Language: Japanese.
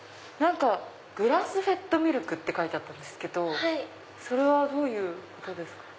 グラスフェッドミルクって書いてあったんですけどそれはどういうことですか？